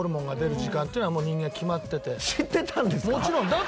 知ってたんですか？